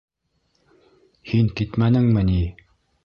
Һин китмәнеңме ни?